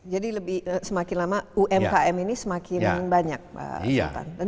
jadi semakin lama umkm ini semakin banyak pak sultan